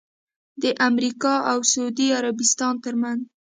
د امریکا اوسعودي عربستان ترمنځ